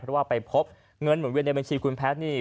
เพราะว่าไปพบเงินหมุนเวียนในบัญชีคุณแพทย์นี่